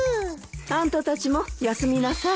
あんたたちも休みなさい。